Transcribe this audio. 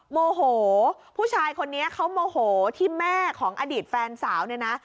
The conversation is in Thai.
โมโหผู้ชายคนนี้เขาโมโหที่แม่ของอดีตแฟนสาวเนี่ยนะ